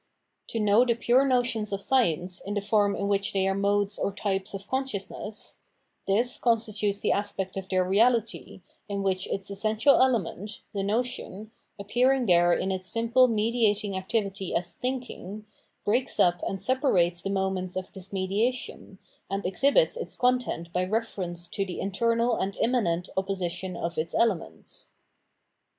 To know the pure notions of Science in the form in which they are modes or types of consciousness — this consti tutes the aspect of their reahty, in which its essential element, the notion, appearing there in its simple mediating activity as thmking, breaks up and separ ates the moments of this mediation, and exhibits its content by reference to the internal and immanent opposition of its elements.